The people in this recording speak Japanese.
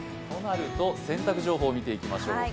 洗濯情報を見ていきましょうか。